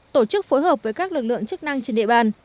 tổ chức phối hợp với các lực lượng chức năng trên địa bàn